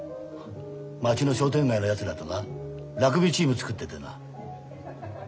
町の商店街のやつらとなラグビーチーム作っててな。